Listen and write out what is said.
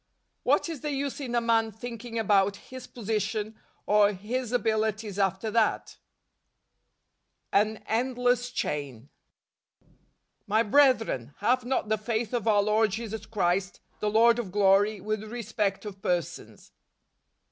What is the use in a man thinking about his " position " or his " abilities " after that ? An Euilless Chain. " My brethren , have not the faith of our Lord Jesus Christ , the Lord of glory , with respect of persons